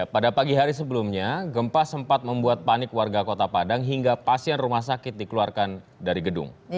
pada pagi hari sebelumnya gempa sempat membuat panik warga kota padang hingga pasien rumah sakit dikeluarkan dari gedung